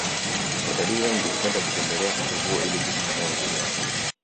watalii wengi hupenda kutembelea mto huo ili kujionea uzuri wake